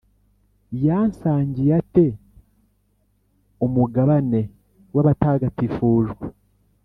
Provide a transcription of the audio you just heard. Yasangiye ate umugabane n’abatagatifujwe?